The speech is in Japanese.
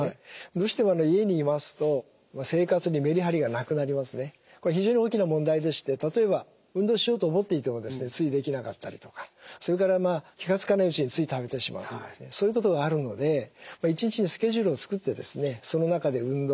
どうしてもこれ非常に大きな問題でして例えば運動しようと思っていてもついできなかったりとかそれから気が付かないうちについ食べてしまうというそういうことがあるので１日のスケジュールを作ってその中で運動